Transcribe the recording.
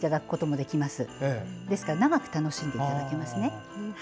ですから長く楽しんでいただけますね。